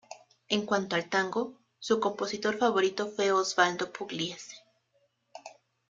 En cuanto al tango, su compositor favorito fue Osvaldo Pugliese.